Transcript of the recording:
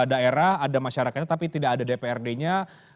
ada daerah ada masyarakatnya tapi tidak ada dprd nya